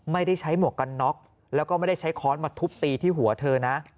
ไม่ได้ใช้หมวกกันน็อกแล้วก็ไม่ได้ใช้ค้อนมาทุบตีที่หัวเธอนะ